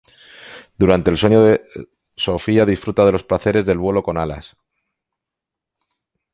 Durante el sueño Sofía disfruta de los placeres del vuelo con alas.